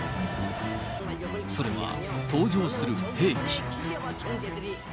それは登場する兵器。